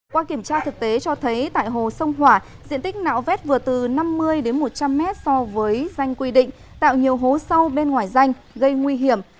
qua kiểm tra thực tế cho thấy tại hồ sông hỏa diện tích nạo vét vừa từ năm mươi đến một trăm linh mét so với danh quy định tạo nhiều hố sâu bên ngoài danh gây nguy hiểm